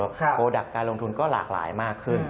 โปรดักต์การลงทุนก็หลากหลายมากขึ้น